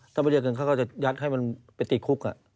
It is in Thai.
ถ้าไม่ได้เงินเขาก็จะยัดให้มันไปติดคุก